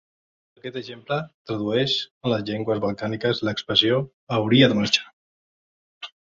Aquest exemple tradueix en les llengües balcàniques l'expressió "Hauríeu de marxar!"